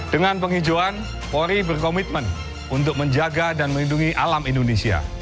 dengan penghijauan polri berkomitmen untuk menjaga dan melindungi alam indonesia